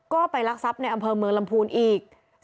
ก็ไปรักทรัพย์ในอำเภอเมืองลำพูนอีก